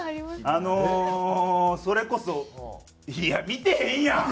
あのそれこそいや見てへんやん！